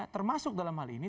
termasuk dalam hal ini